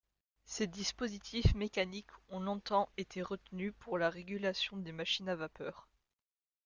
Ces dispositifs mécaniques ont longtemps été retenus pour la régulation des machines à vapeur.